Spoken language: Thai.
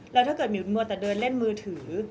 แล้วถ้าเกิดมิวนัวแต่เดินเล่นมือถือ